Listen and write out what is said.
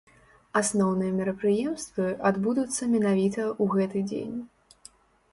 Асноўныя мерапрыемствы адбудуцца менавіта ў гэты дзень.